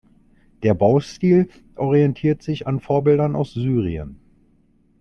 Der Baustil orientiert sich an Vorbildern aus Syrien.